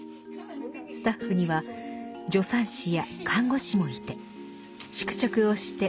スタッフには助産師や看護師もいて宿直をして常に見守ります。